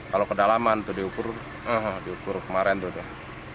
kalau kedalaman tuh diukur kemarin tuh dah